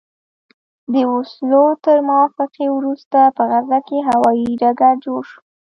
د اوسلو تر موافقې وروسته په غزه کې هوايي ډګر جوړ شو.